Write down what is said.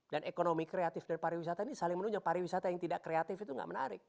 ekonomi kreatif dan pariwisata ini saling menunjuk pariwisata yang tidak kreatif itu tidak menarik